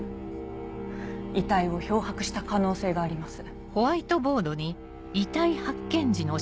遺体を漂白した可能性があります。